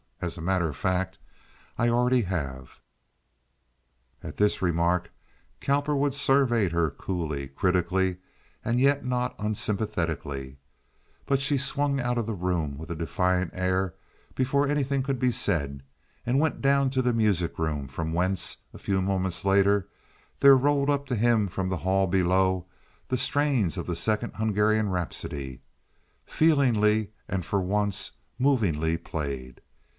As a matter of fact, I have already." At this remark Cowperwood surveyed her coolly, critically, and yet not unsympathetically; but she swung out of the room with a defiant air before anything could be said, and went down to the music room, from whence a few moments later there rolled up to him from the hall below the strains of the second Hungarian Rhapsodie, feelingly and for once movingly played.